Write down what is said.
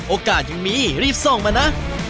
โอกาสยังมีรีบซ่องมานะ